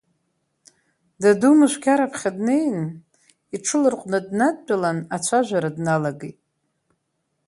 Даду Мышәқьар аԥхьа днеин, иҽыларҟәны днадтәалан, ацәажәара дналагеит…